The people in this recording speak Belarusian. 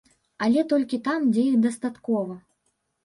Але толькі там, дзе іх дастаткова.